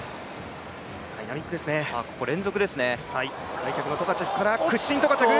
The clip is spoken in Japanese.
開脚のトカチェフから屈伸トカチェフ。